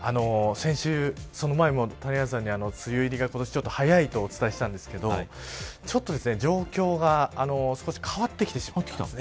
先週、その前も谷原さんに梅雨入りが今年ちょっと早いとお伝えしたんですけどちょっと状況が少し変わってきました。